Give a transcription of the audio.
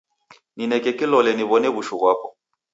Nineke kilole niw'one w'ushu ghwapo.